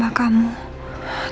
biar urban monggo